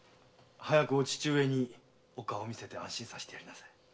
早くお父上にお顔を見せて安心させてやりなさい。